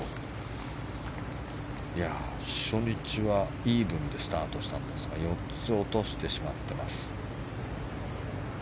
初日はイーブンでスタートしたんですが４つ落としてしまってます。